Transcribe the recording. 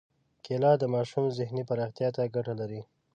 کېله د ماشوم ذهني پراختیا ته ګټه لري.